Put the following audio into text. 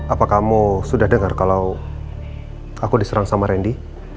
apa kamu sudah dengar kalau aku diserang sama randy